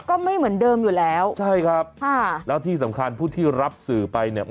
ก็ไม่เหมือนเดิมอยู่แล้วใช่ครับค่ะแล้วที่สำคัญผู้ที่รับสื่อไปเนี่ย